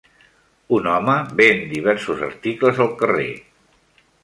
Un home ven diversos articles al carrer.